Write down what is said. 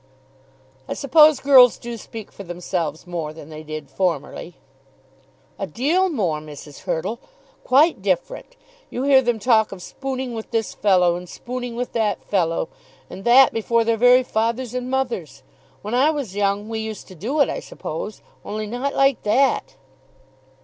"I suppose girls do speak for themselves more than they did formerly." "A deal more, Mrs. Hurtle; quite different. You hear them talk of spooning with this fellow, and spooning with that fellow, and that before their very fathers and mothers! When I was young we used to do it, I suppose, only not like that."